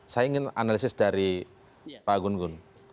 saya ingin analisis dari pak gun gun